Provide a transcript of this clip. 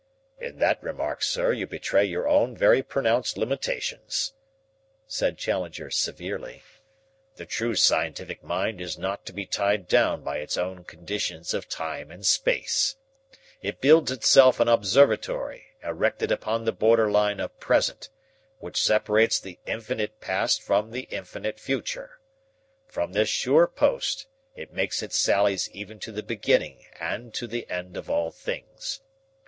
"In that remark, sir, you betray your own very pronounced limitations," said Challenger severely. "The true scientific mind is not to be tied down by its own conditions of time and space. It builds itself an observatory erected upon the border line of present, which separates the infinite past from the infinite future. From this sure post it makes its sallies even to the beginning and to the end of all things.